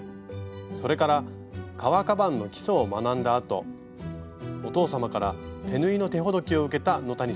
それから革カバンの基礎を学んだあとお父様から手縫いの手ほどきを受けた野谷さん。